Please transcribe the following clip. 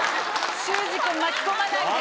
修士君巻き込まないで。